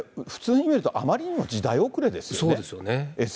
普通に見ると、あまりにも時代遅れですよね。